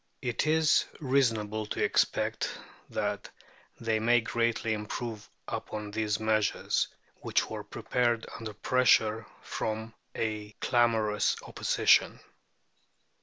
It is reasonable to expect that they may greatly improve upon these measures, which were prepared under pressure from a clamorous Opposition.